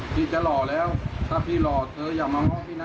พี่จะหล่อแล้วถ้าพี่หล่อเธออย่ามาง้อพี่นะ